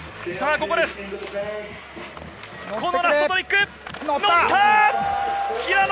これがラストトリック。